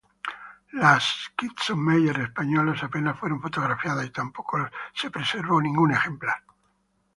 Las Kitson-Meyer españolas apenas fueron fotografiadas y tampoco se preservó ningún ejemplar.